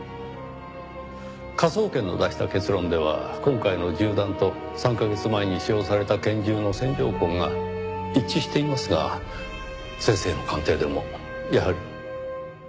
科捜研の出した結論では今回の銃弾と３カ月前に使用された拳銃の線条痕が一致していますが先生の鑑定でもやはり？